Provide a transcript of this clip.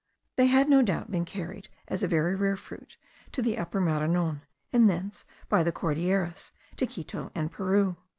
They had no doubt been carried, as a very rare fruit, to the Upper Maranon, and thence, by the Cordilleras, to Quito and Peru.